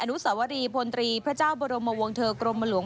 นุสวรีพลตรีพระเจ้าบรมวงเทอร์กรมหลวง